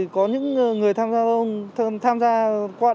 có những người tham gia qua đây